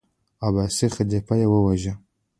عباسي خلیفه یې وواژه.